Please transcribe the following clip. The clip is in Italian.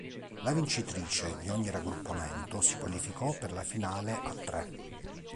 La vincitrice di ogni raggruppamento si qualificò per la finale "a tre".